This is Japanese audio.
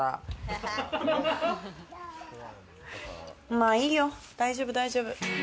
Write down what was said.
まぁいいよ、大丈夫、大丈夫。